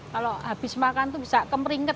kalau habis makan bisa kemeringket